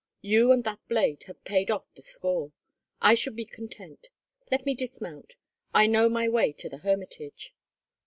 You and that blade have paid off the score. I should be content. Let me dismount. I know my way to the hermitage."